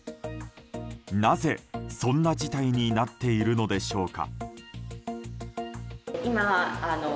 なぜ、そんな事態になっているのでしょうか。